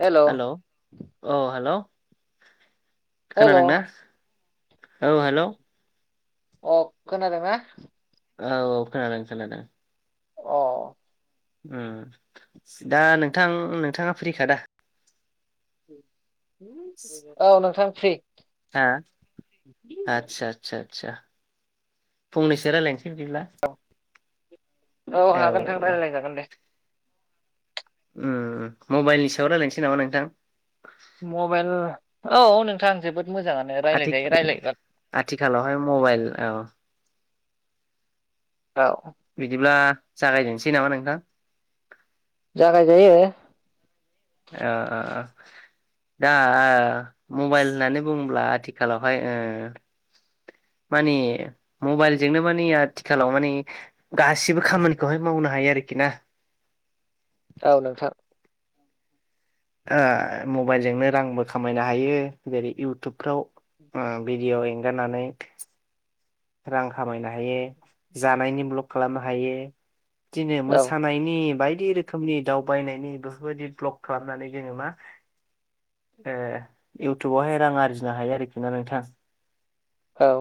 हेल' hello औ hello. Hello खोनादोंना औ हेलौ। अ खोनादों ना? औ औ खोनादों खोनादों। अ। उम दा नोंथां नोंथांङा फ्रिखा दा। औ नोंथां फ्रि हा आदसा आदसा आदसा फुंनैसो रायलायनोस बिबदिब्ला औ हागोन नोंथां रायलायजागोन दे उम मबाइलनि सायाव रायलायनोसै नामा नोंथां? मबाइल औ औ नोंथां जोबोद मोजांङानो आथि रायलायजायो रायलायबा आथिखालावहाय मबाइल औ बिदिब्ला जागायजेननोसै नामा नोंथां? जागाय जायो ओ ओ ओ दा मबाइल होननानै बुंङोब्ला आथिखालावहाय ओ मानि मबाइलजोंनो माने आथिखालाव माने गासिबो खामानिखौहाय मावनो हायो आरोखि कि ना? औ नोंथां आ मबाइलजोंनो रांबो खामायनो हायो जेरै इउटुबफ्राव अ बिदिय एंगारनानै रां खामायनो हायो जानायनि ब्लक खालामनो हायो दिनो औ मोसानायनि बाय दि रोखोमनि दावबायनायनि बेफोरबायदि ब्लक खालामनानै जोङो मा ए इउटुबावहाय रां आर्जिनो हायो आरोखि ना नोंथां औ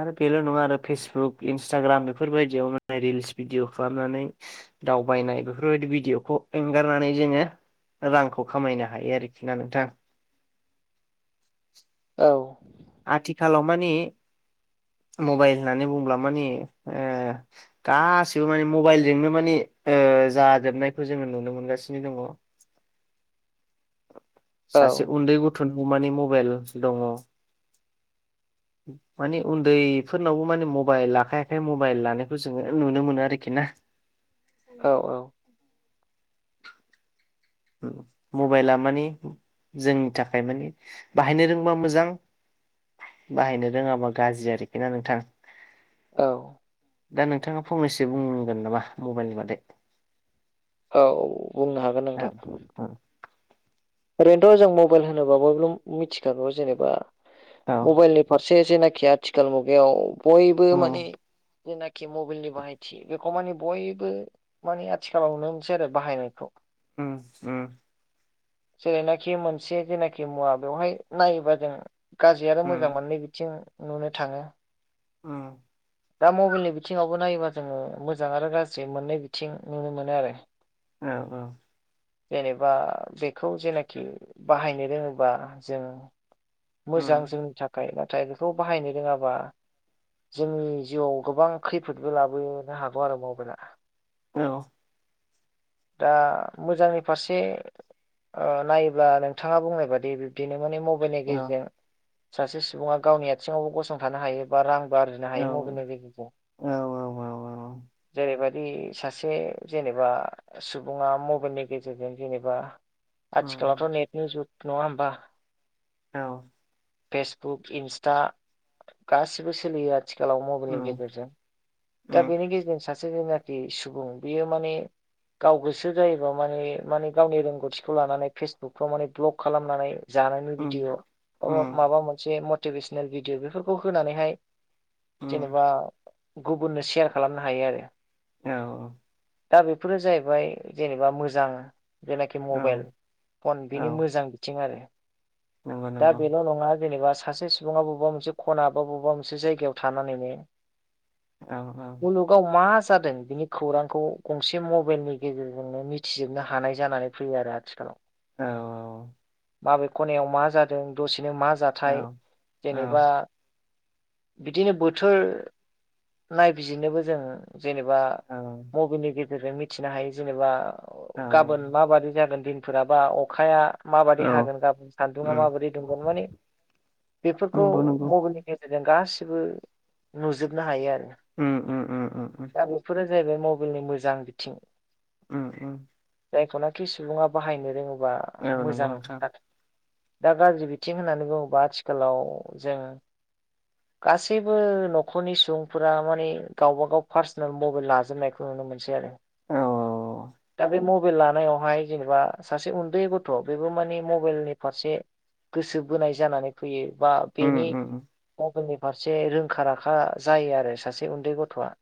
आरो बेल' नङा आरो फेसबुक इन्सटाग्राम बेफोरबायदियाव माने रिल्स भिदिय खालामनानै दावबायनाय बेफोरबायदि भिदिअ'खौ एंगारनानै जोङो रांखौ खामायनो हायो आरोखि ना नोंथां आथिखालाव मानि मबाइल होननानै बुंब्ला माने ओ गासिबो माने मबाइलजोंनो माने ओ जाजोबनायखौ जोङो नुनो मोनगासिनो दङ औ सासे उन्दै गथनि मानि मबाइल दङ माने उन्दैफोरनावबो माने मबाइल आखाय आखाय मबाइल लानायखौ जोङो नुनो मोनो आरोखि ना [unintelligible] औ मबाइला मानि जोंनि थाखाय माने बाहायनो रोंबा मोजां बाहायनो रोङाबा गाज्रि आरोखि ना नोंथां औ दा नोंथाङा फंनैसो बुंगोन नामा मबाइलनि बादै औ बुंनो हागोन औ नोंथां औ ओरैनोथ' जों मबाइल होनोबा बयबो मिथिखागौ जेनेबा औ मबाइलनि फारसे जेनाखि आथिखाल मुगायाव बयबो औ माने जेनाखि मबाइलनि बाहायथि बेखौ माने बयबो माने आथिखालाव नुनोमोनसै आरो बाहायनायखौ ओम ओम जेरैनाखि मोनसे जेनाखि मुवा बेवहाय नायोबा जों गाज्रि आरो उम मोजां मोननैबिथिं नुनो थाङो ओम दा मबाइलनि बिथिङावबो नायोबा जोङो मोजां आरो गाज्रि मोननै बिथिं नुनो मोनो आरो औ औ जेनेबा बेखौ जेनाखि बाहायनो रोङोबा जों औ मोजां जोंनि थाखाय नाथाय बेखौ बाहायनो रोङाबा जोंनि जिउआव गोबां खैफोदबो लाबोनो हागौ आरो मबाइला औ दा मोजांनि फारसे ओ नायोब्ला नोंथाङा बुंनाय बादि बिब्दिनो माने मबाइलनि औ गेजेरजों सासे सुबुङा गावनि आथिङाव गसंथानो हायो बा रां आरजिनो औ हायो मबलनि गेजेरजों औ औ जेरैबाय बे सासे जेनेबा सुबुङा मबाइलनि गेजेरजों जेनेबा आथिखालावथ' नेटनि जुग नङा होमबा औ फेसबुक इन्स्टा गासिबो सोलियो आरो आथिखालाव मबाइलनि गेजेरजों दा बेनि गेजेरजों सासे सासे जेनाखि सुबुं बियो माने गाव गोसो जायोबा माने माने गावनि रोंगौथि खौ लानानै फेसबुकफ्राव माने ब्लग खालामनानै जानायनि भिडिअ बा माबा मोनसे मटिभिसनेल भिडियअ बेफोरखौ होनानैहाय जेनेबा गुबुननो सेयार खालामनो हायो आरो औ-औ दा बेफोरो जाहैबाय जेनेबा मोजां जेनाखि मबाइल फन औ बिनि मोजां बिथिं आरो। नंगौ दा नंगौ बेल' नङा जेनेबा सासे सुबुङा बबेबा मोनसे खना बा बबेबा मोनसे जायगायाव थानानैनो औ औ मुलुगाव मा‌ जादों बिनि खौरांखौ गंसे मबाइलनि गेजेरजोंनो मिथिजोबनो हानाय जानानै फैयो आरो। आथिखालाव औ औ। माबे खनायाव मा जादों दसेनो मा जाथाय जेनेबा बिदिनो बोथोर नायबिजिरनोबो जों जेनेबा मबाइलनि गेजेरजों मिथिनो हायो। जेनेबा गाबोन माबादि जागोन दिनफोराबा अखाया माबादि हागोन गाबोन सान्दुङआ माबादि दुंगोन माने बेफोरखौ नंगौ मबाइलनि गेजेरजों जों गासिबो नुजोबनो हायो आरो। उम उ उ उ उ। बे जाहैबाय मबाइलनि मोजां बिथिं। उ उ। जायखौनोखि सुबुङा बाहायनो रोङोबा नंगौ मोजां नोंथां दा गाज्रि बिथिं होननानै बुङोबा आथिखालाव जों गासैबो न'खरनि सुबुंफोरा माने गावबागाव पार्सनेल मबाइल लाजोबनायखौ नुनो मोनसै आरो। औ औ। दा बे मबाइल लानायावहाय जेनेबा सासे उन्दै गथ' बेबो माने मबाइलनि फारसे गोसो बोनाय जानानै फैयो बा बेनि म बाइलनि फारसे रोंखा राखा जायो आरो सासे उन्दै गथ'आ।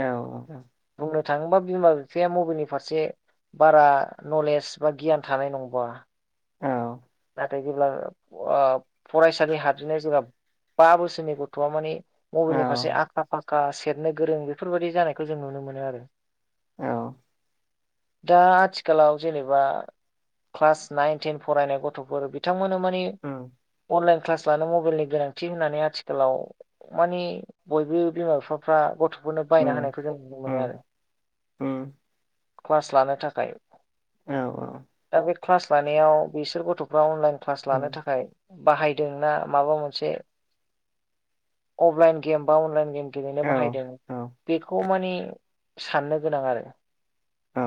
औ औ। बुंनो थाङोबा बिमा बिफाया मबाइलनि फारसे बारा नलेज बा गियान थानाय नंबा। औ नाथाय जेब्ला ओ फरायसालि हाबजेननय जेब्ला बा बोसोरनि गथ'आ माने मबाइलनि फारसे औ आखा फाखा सेरनो गोरों बेफोरबायाददि जानायखौ जों नुनो मोनो आरो। औ। दा आथिखालाव जेनेबा क्लास नाइन टेन फरायनाय ग थ'फोर बिथांमोननो माने अनलाइन क्लास लानो मबाइलनि गोनांथि होननानै आथिखालाव माने बयबो बिमा बिफाफ्रा गथ' फोरनो बायनो हानायखौ जों नुनो मोनो आरो क्लास लानो थाखाय। औ दा बे क्लास लानायाव बिसोर गथ'फ्रा अनलाइन क्लास औ औ लानो थाखाय बाहायदोंना माबा मोनसे अफलाइन गेम बा अनलाइन गेम गेलेनो औ बाहायदों औ बेखौ माने साननो गोनां आरो। औ।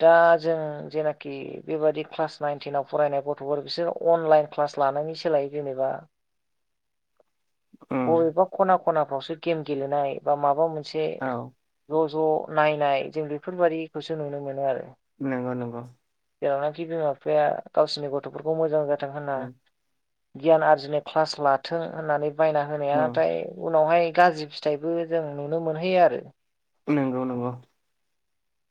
दा जों जेनाखि बेबादि क्लास नाइन टेनाव फरायनाय ग थ'फोर बिसोर अनलाइन क्लास लानायनि सोलायो जेनेबा उम बबेबा खना खनाफ्रावसो गेम गेलेनाय बा माबा मोनसे औ ज' ज' नायनाय जों बेफोरबायदिखौसो नुनो मोनो आरो। नोंगौ नोंगौ। जेरावनाखि बिमा बिफाया गावसिरनि गथ'फोरखौ मोजां जाथों होनना उम गियान आरजिनो क्लास लाथों होननानै बायना होनाया उम नाथाय उनावहाय गाज्रि फिथाइबो जों नुनो मोनहैयो आरो। नोंगौ नोंगौ।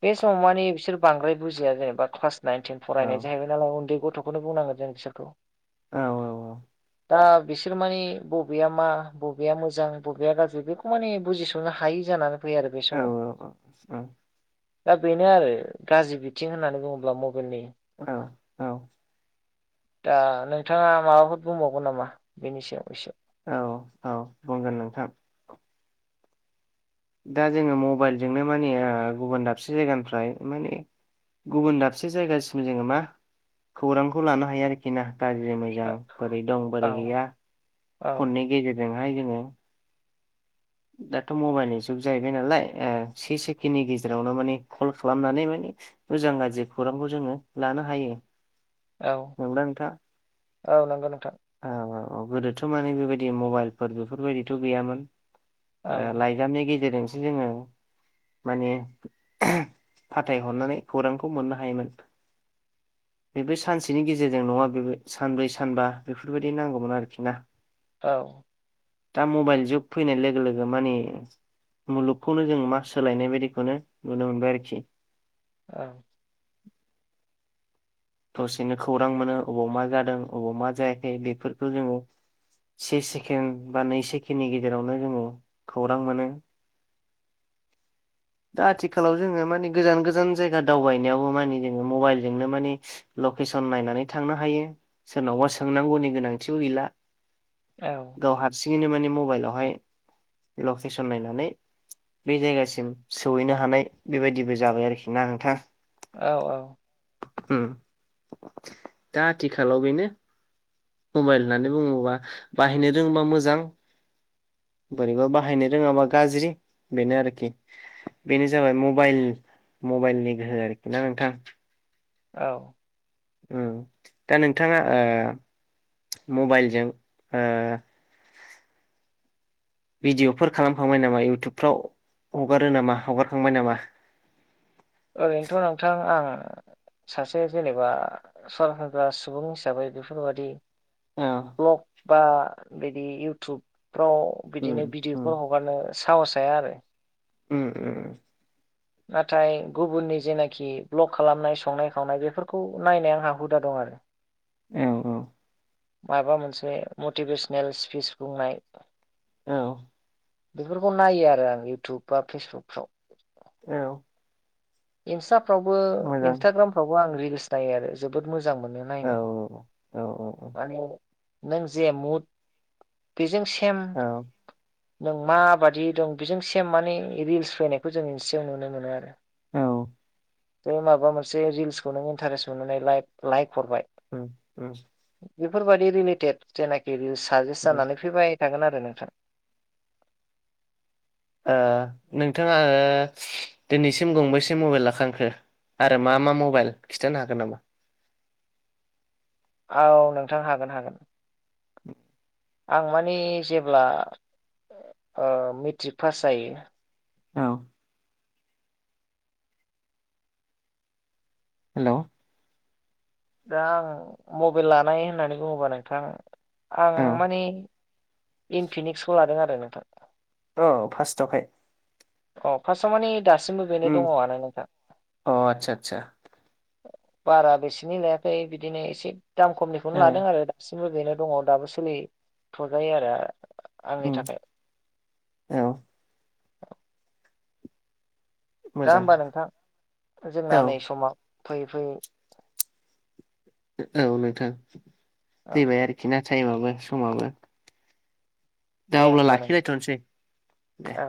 बे समाव माने बिसोर बांद्राय बुजिया जेनेबा क्लास नाइन टेन औ फरायनाय जाहैबाय नालाय उन्दै ग थ'खौनो बुंनांगोन जों बिसोरखौ। औ औ औ। दा बिसोर माने बबेया मा बबेया मोजां बबेया गाज्रि बेखौ माने बुजिस'नो हायि जानानै फैयो आरो बे औ समाव औ औ उम दा बेनो आरो गाज्रि बिथिं होननानै बुङोब्ला मबायेलनि औ दा नोंथाङा माबाफोर बुंबावगोन नामा बेनि सायाव एसे। औ औ बुंगोन नोंथां। दा जोङो मबाइलजोंनो माने गुबुन दाबसे जायगानिफ्राय माने गुबुन दाबसे जायगासिम जोङो मा खौरांखौ लानो हायो आरोखि ना। गाज्रि मोजां बोरै दं औ बोरै गैया औ फननि गेजेरजोंहाय जोङो दाथ' मबाइलनि जुग जाहैबाय नालाय ओ से सेकेन्दनि गेजेरावनो माने कल खालामनानै माने मोजां गाज्रि खौरांखौ जोङो लानो हायो। औ नंगौ ना नोंथां। औ नंगौ नोंथां। औ औ औ गोदोथ' माने बेबायदि मबाइलफोर बेफोरबायदिथ' गैयामोन। ओ औ लाइजामनि गेजेरजोंसो जोङो माने फाथायहरनानै खौरांखौ मोननो हायोमोन। बेबो सानसेनि गेजेरजों नङा बेबो सानब्रै सानबा बेफोरबायदि नांगौमोन आरोखि ना। औ। दा मबाइल जुग फैनाय लोगो लोगो माने मुलुगखौनो जों मा सोलायनाय बायदिखौनो नुनो मोनबाय आरोखि। औ। दसेनो खौरां मोनो अबाव मा जादों अबाव मा जायाखै बेफोरखौ जोङो से सेकेण्ड बा नै सेकेण्डनि गेजेरावनो जोङो खौरां मोनो। दा आथिखालाव जोङो माने गोजान गोजान जायगा दावबायनायावबो माने जोङो मबाइलजोंनो माने लकेसन नायनानै थांनो हायो सोरनावबा सोंनांगौनि गोनांथिबो गैला। औ गाव हारसिं ङैनो माने मबायेलावहाय लकेसन नायनानै बे जायगासिम सहैनो हानाय बेबायदिबो जाबाय आरोखि ना नोंथा। औ औ उम दा आथिखालाव बेनो । मबायेल होननानै बुङोबा बाहायनो रोङोबा मोजां बोरैबा बाहायनो रोङाबा गाज्रि बेनो आरोखि। बेनो जाबाय मबायेल मबायेलनि गोहो आरोखि ना नोंथां। औ। उम दा नोंथाङा ओ मबायेलजों ओ भिडिअफोर खालामखांबाय नामा इउटुबफ्राव हगारो नामा हगारखांबाय नामा? [inaudible] ओरैनोथ' नोंथां आं सासे जेनेबा सरासनग्रा सुबुं हिसाबै बेफोरबादि औ ब्लग बा बिदि इउटुबफ्राव बिदिनो उम उम भिडिअफोर हगारनो साहस थाया आरो । उम उम नाथाय गुबुननि जेनाखि भ्लग खालामनाय संनाय खावनाय बेफोरखौ नायनाय आंहा हुदा दङ आरो । औ औ माबा मोनसे मटिभेसनेल स्पिच बुंनाय औ बेफोरखौ नायो आरो आं इयउटुब बा फेसबुकफ्राव । औ। इन्सटाफ्रावबो- मोजां इन्सटाग्रामफ्रावबो आं रिल्स नायो आरो जोबोद मोजां। मोजां मोनो औ नायनो औ माने नों जे मुद बेजों सेम औ नों माबादि दं बेजों सेम माने रिल्स फैनायखौ जों एसेयाव नुनो मोनो आरो। औ बे माबा मोनसे रिल्सखौ नों इन्टारेस्ट मोननानै लाइप- लाइक हरबाय उम उम। बेफोरबायाददि रिलेटेद जेनाखि साजेस उम जानानै फैबाय थागोन आरो नोंथां। ओ नोंथाङा ओ दिनैसिम गंबेसे मबाइल लाखांखो? आरो मा -मा मबाइल खिथानो हागोन नामा? औ नोंथां हागोन- हागोन। [unintelligible] आं माने जेब्ला ओ मेट्रिक पास जायो। औ। हेलौ। दा आं मबाइल लानाय होननानै बुङोबा नोंथां आं माने इनफिनिक्सखौ लादों आरो नोंथां। औ फास थावहाय अ फासआव माने दासिमबो बेनो उम दङ आनो नोंथां। अ आतसा आतसा बारा बेसेननि लायाखै बिदिनो एसे दाम खमनिखौनो औ लादों आरो दास मोजैनो दङ दाबो सोलिथ'जायो आरो। आंनि उम थाखाय औ। दा मोजां होमबा नोंथां औ जोंना नै समाव फैयै -फैयै औ नोंथां औ फैबाय आरोखि ना टाइमाबो समाबो दा दे अब्ला होमबा नोंथां लाखिलायथ'नोसै दे। औ